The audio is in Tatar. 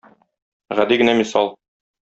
Гади генә мисал.